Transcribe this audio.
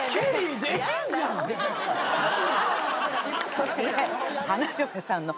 それで。